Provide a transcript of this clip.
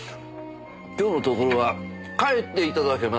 今日のところは帰って頂けませんかな。